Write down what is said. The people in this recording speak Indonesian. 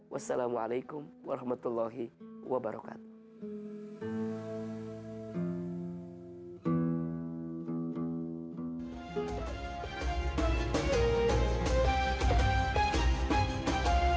wassalamualaikum warahmatullahi wabarakatuh